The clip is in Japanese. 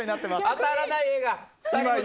当たらない画が。